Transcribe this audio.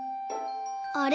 あれ？